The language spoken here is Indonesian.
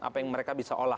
apa yang mereka bisa olah